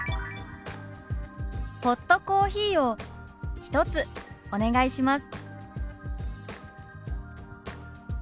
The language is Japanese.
「ホットコーヒーを１つお願いします」。